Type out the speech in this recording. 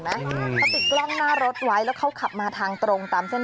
เขาติดกล้องหน้ารถไว้แล้วเขาขับมาทางตรงตามเส้น